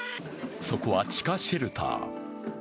そこは地下シェルター。